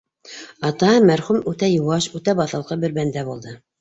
Атаһы мәрхүм үтә йыуаш, үтә баҫалҡы бер бәндә булды.